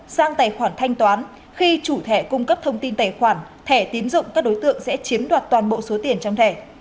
sang tài khoản thanh toán khi chủ thẻ cung cấp thông tin tài khoản thẻ tín dụng các đối tượng sẽ chiếm đoạt toàn bộ số tiền trong thẻ